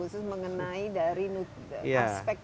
khusus mengenai dari aspek